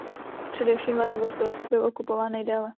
Především Vladivostok byl okupován nejdéle.